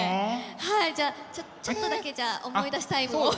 はいじゃあちょっとだけじゃあ思い出しタイムを。